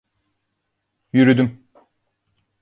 Yürüdüm.